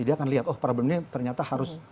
dia akan lihat oh problemnya ternyata harus